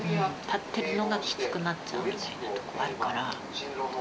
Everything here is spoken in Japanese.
立ってるのがきつくなっちゃうときとかあるから。